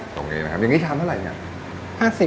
ตรงนี้นะครับอย่างนี้ชามเท่าไหร่เนี่ย